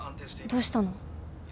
どうしたの？